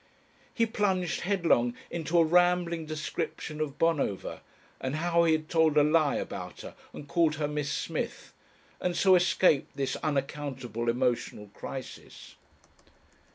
He plunged headlong into a rambling description of Bonover and how he had told a lie about her and called her Miss Smith, and so escaped this unaccountable emotional crisis....